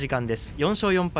４勝４敗